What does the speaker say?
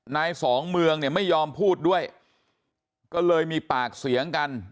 นายสองเมืองเนี่ยไม่ยอมพูดด้วยก็เลยมีปากเสียงกัน